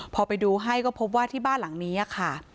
พอไปดูให้ก็พบว่าที่บ้านหลังนี้ค่ะ